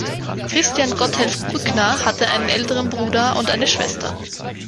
Christian Gotthelf Brückner hatte einen älteren Bruder und eine Schwester.